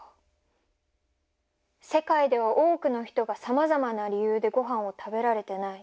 世界では多くの人がさまざまな理由でごはんを食べられてない。